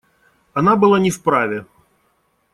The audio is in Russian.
Она была не вправе.